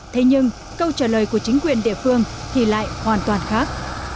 thế nhưng câu trả lời của chính quyền địa phương thì lại hoàn toàn khác